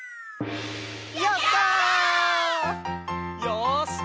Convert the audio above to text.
「よし！！